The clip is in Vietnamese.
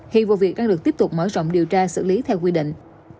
hi vô việc đang được tiếp tục mở rộng điều tra xử lý theo quy định